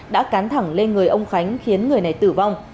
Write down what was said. đã cán thẳng lên người ông khánh khiến người này tử vong